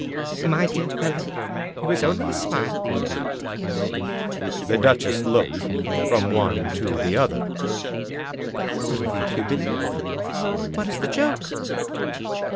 " My dear fellow, only a smile !" The duchess looked from one to the other. "What have you two been doing? What is the joke?"